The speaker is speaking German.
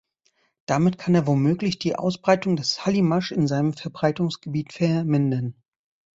Damit kann er womöglich die Ausbreitung des Hallimasch in seinem Verbreitungsgebiet vermindern.